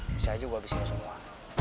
bisa aja gue abisin semua